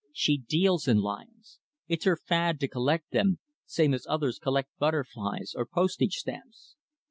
She deals in lions. It's her fad to collect them same as others collect butterflies or postage stamps.